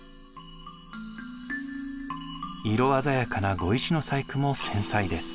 色鮮やかな碁石の細工も繊細です。